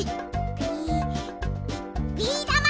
ビビーだま！